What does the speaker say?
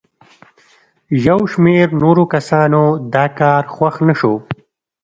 یو شمېر نورو کسانو دا کار خوښ نه شو.